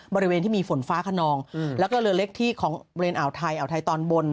บริเวณที่มีฝนฟ้าขนองแล้วก็เรือเล็กที่ของบริเวณอ่าวไทยอ่าวไทยตอนบน